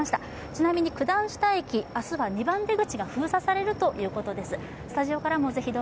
ちなみに九段下駅、明日は２番出口が封鎖されるということです。